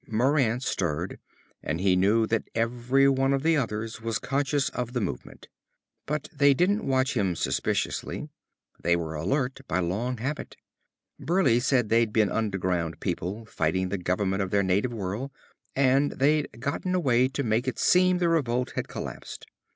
Moran stirred, and he knew that every one of the others was conscious of the movement. But they didn't watch him suspiciously. They were alert by long habit. Burleigh said they'd been Underground people, fighting the government of their native world, and they'd gotten away to make it seem the revolt had collapsed.